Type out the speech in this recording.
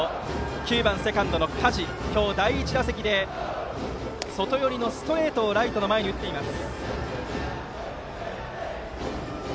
９番、セカンドの加地は今日第１打席で外寄りのストレートをライトの前に打っています。